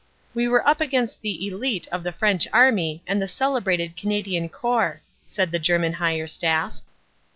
"We were up against the elite of the French Army and the celebrated Canadian Corps," said the German Higher Staff.